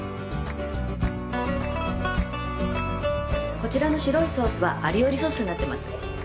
こちらの白いソースはアリオリソースになってます。